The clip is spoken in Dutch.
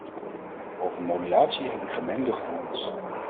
Over modulatie heb ik gemengde gevoelens.